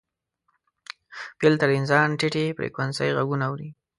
فیل تر انسان ټیټې فریکونسۍ غږونه اوري.